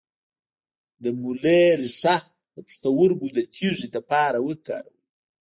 د مولی ریښه د پښتورګو د تیږې لپاره وکاروئ